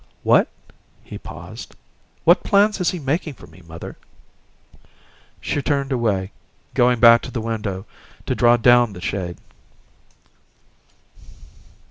"What " He paused. "What plans is he making for me, mother?" She turned away, going back to the window to draw down the shade.